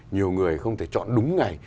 nhiều người không thể chọn đúng ngày